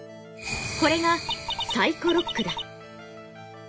これが「サイコ・ロック」だ。